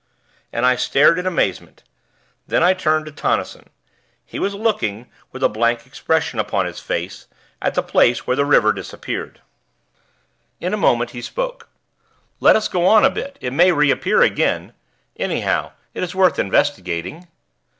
And I stared in amazement; then I turned to Tonnison. He was looking, with a blank expression upon his face, at the place where the river disappeared. In a moment he spoke. "Let us go on a bit; it may reappear again anyhow, it is worth investigating."